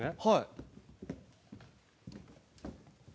はい。